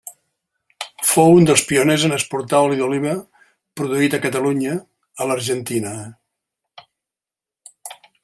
Fou un dels pioners en exportar oli d'oliva produït a Catalunya a l'Argentina.